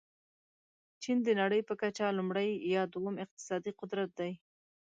چین د نړۍ په کچه لومړی یا دوم اقتصادي قدرت دی.